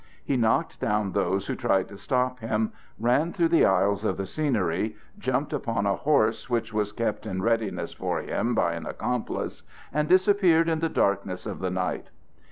He knocked down those who tried to stop him, ran through the aisles of the scenery, jumped upon a horse which was kept in readiness for him by an accomplice, and disappeared in the darkness of the night.